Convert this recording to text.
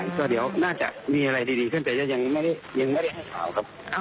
ยังไม่ได้ให้ข่าวครับ